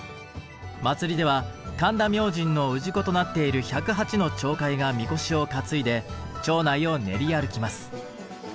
祭では神田明神の氏子となっている１０８の町会がみこしを担いで町内を練り歩きます。